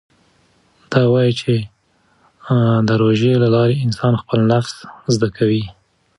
ده وايي چې د روژې له لارې انسان خپل نفس زده کوي.